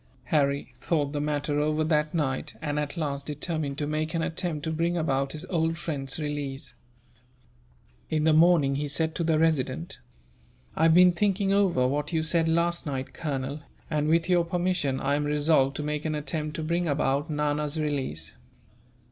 Harry thought the matter over that night and, at last, determined to make an attempt to bring about his old friend's release. In the morning he said to the Resident: "I have been thinking over what you said last night, Colonel, and with your permission I am resolved to make an attempt to bring about Nana's release."